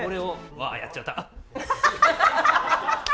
わあやっちゃった。